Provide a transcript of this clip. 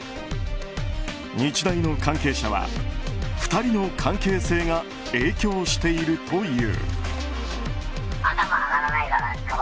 日大の関係者は、２人の関係性が影響しているという。